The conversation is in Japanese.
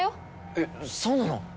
えっそうなの？